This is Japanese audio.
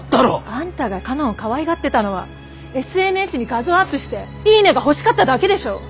あんたが佳音をかわいがってたのはＳＮＳに画像をアップして「いいね！」が欲しかっただけでしょ。